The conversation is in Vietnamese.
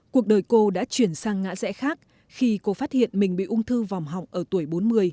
cuộc đời cô đã chuyển sang ngã rẽ khác khi cô phát hiện mình bị ung thư vòng họng ở tuổi bốn mươi